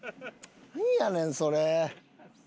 なんやねんそれ。